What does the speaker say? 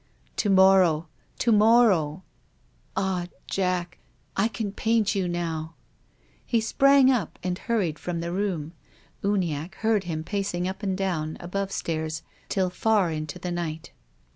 To morrow — to morrow — ah, Jack ! I can paint you now !" lie sprang up and hurried from the room. Uniacke heard him pacing up and down above stairs till far into the night.